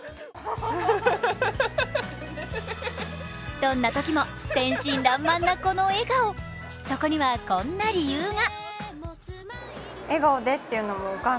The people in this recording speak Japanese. どんなときも天真爛漫なこの笑顔、そこにはこんな理由が。